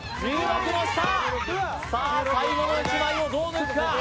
さあ、最後の１枚をどう抜くか。